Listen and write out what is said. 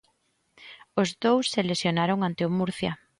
Os dous se lesionaron ante o Murcia.